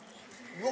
うわ！